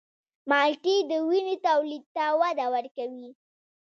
مالټې د وینې تولید ته وده ورکوي.